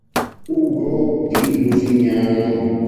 Ugo di Lusignano